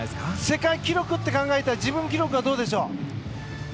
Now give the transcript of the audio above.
世界記録って考えたら自分記録はどうでしょう？